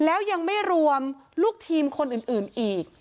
แล้วยังไม่รวมลูกทีมคนอื่นอีก